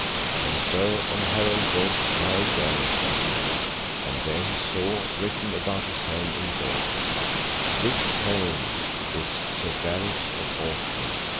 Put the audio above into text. And so an herald rode nigh Gareth as he could; and there he saw written about his helm in gold, This helm is Sir Gareth of Orkney.